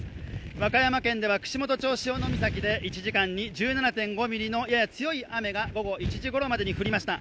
和歌山県では串本町潮岬で１時間に１７．５ミリのやや強い雨が午後１時ごろまでに降りました。